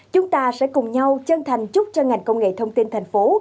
chúng ta sẽ cùng nhau chân thành chúc cho ngành công nghệ thông tin thành phố